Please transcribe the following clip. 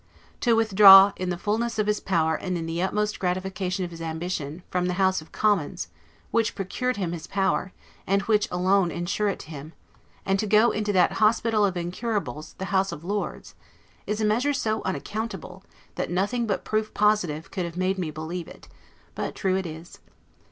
To withdraw, in the fullness of his power and in the utmost gratification of his ambition, from the House of Commons (which procured him his power, and which could alone insure it to him), and to go into that hospital of incurables, the House of Lords, is a measure so unaccountable, that nothing but proof positive could have made me believe it: but true it is.